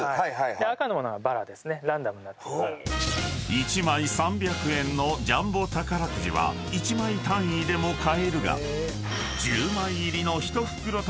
［１枚３００円のジャンボ宝くじは１枚単位でも買えるが］